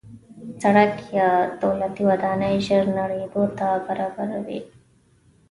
سړک یا دولتي ودانۍ ژر نړېدو ته برابره وي.